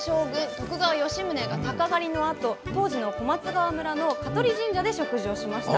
徳川吉宗が鷹狩りのあと当時の小松川村の香取神社で食事をしました。